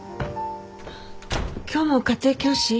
今日も家庭教師？